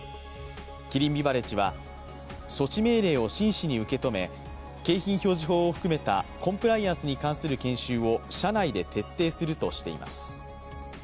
キリンビバレッジは、措置命令を真摯に受け止め、景品表示法を含めたコンプライアンスに関する研修を社内で徹底するとしています。